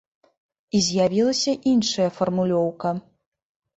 І з'явілася іншая фармулёўка.